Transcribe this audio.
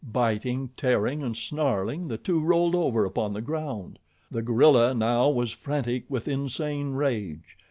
Biting, tearing, and snarling, the two rolled over upon the ground. The gorilla now was frantic with insane rage.